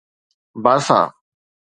باسا